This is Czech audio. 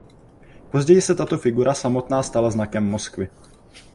Později se tato figura samotná stala znakem Moskvy.